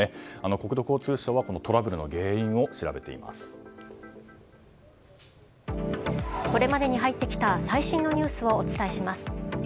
国土交通省はトラブルの原因をこれまでに入ってきた最新のニュースをお伝えします。